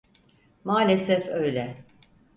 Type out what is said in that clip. Maalesef öyle.